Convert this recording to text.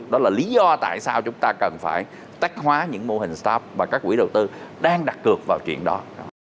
đó là lý do tại sao chúng ta cần phải tác hóa những mô hình start up và các quỹ đầu tư đang đặt cược vào chuyện đó